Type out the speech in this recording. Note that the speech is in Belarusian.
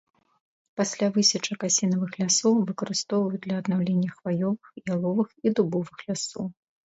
Пасля высечак асінавых лясоў выкарыстоўваюць для аднаўлення хваёвых, яловых і дубовых лясоў.